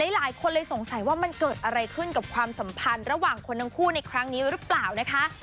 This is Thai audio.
หลายคนเลยสงสัยว่ามันเกิดอะไรขึ้นกับความสัมพันธ์ระหว่างคนทั้งคู่ในครั้งนี้หรือเปล่านะคะ